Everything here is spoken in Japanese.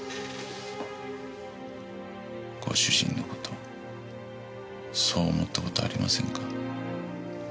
ご主人の事そう思った事ありませんか？